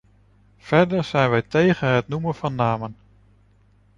Verder zijn wij tegen het noemen van namen.